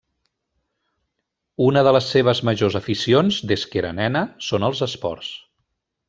Una de les seves majors aficions, des que era nena, són els esports.